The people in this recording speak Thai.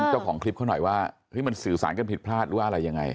เจ้าของคลิปเขาหน่อยว่ามันสื่อสารกันผิดพลาดหรือว่าอะไรยังไง